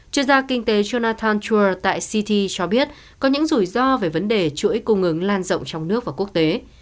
chuyên gia kinh tế jonathan chua tại citi cho biết có những rủi ro về vấn đề chuỗi cung ứng lan rộng trong nước và quốc tế